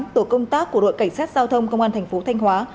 tổ công tác của đội cảnh sát giao thông công an thành phố thanh hóa